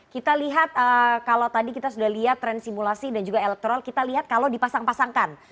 kita lihat kalau tadi kita sudah lihat tren simulasi dan juga elektoral kita lihat kalau dipasang pasangkan